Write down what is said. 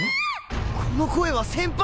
この声は先輩！？